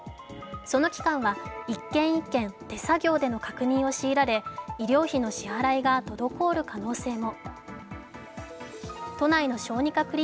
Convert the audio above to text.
その機関は１件１件、手作業での確認を強いられ医療費の支払いが滞る可能性も。